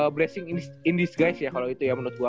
blessing in disguise ya kalau itu ya menurut gue